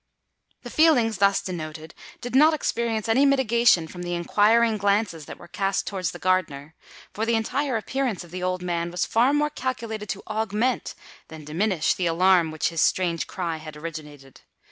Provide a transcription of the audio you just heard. The feelings thus denoted did not experience any mitigation from the inquiring glances that were cast towards the gardener; for the entire appearance of the old man was far more calculated to augment than diminish the alarm which his strange cry had originated.